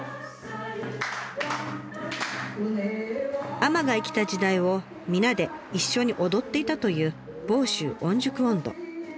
海女が生きた時代を皆で一緒に踊っていたという「房州御宿音頭」。